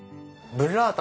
ブッラータ。